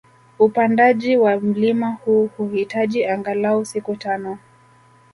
Upandaji wa mlima huu huhitaji angalau siku tano